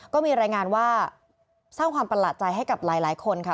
ก็มีรายงานว่าสร้างความประหลาดใจให้กับหลายคนค่ะ